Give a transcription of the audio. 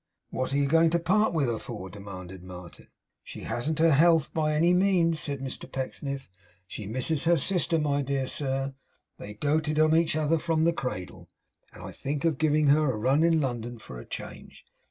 'What are you going to part with her for?' demanded Martin. 'She hasn't her health by any means,' said Mr Pecksniff. 'She misses her sister, my dear sir; they doted on each other from the cradle. And I think of giving her a run in London for a change.